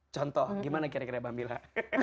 contoh gimana kira kira mbak mila